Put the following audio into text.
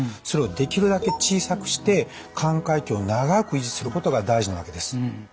それをできるだけ小さくして寛解期を長く維持することが大事なわけです。